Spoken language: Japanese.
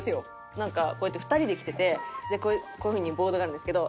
なんかこうやって２人で来ててこういう風にボードがあるんですけど。